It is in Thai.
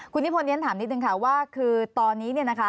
คุณนิพนธ์ยังถามนิดหนึ่งค่ะว่าคือตอนนี้นะคะ